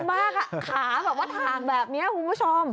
ขาแบบว่าทางแบบนี้ครับคุณผู้ชม